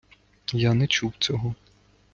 Я не чув цього.